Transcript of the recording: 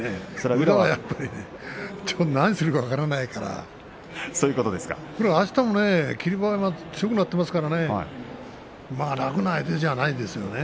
宇良は何をするか分からないからあすも、霧馬山は強くなっているから、楽な相手じゃないですね。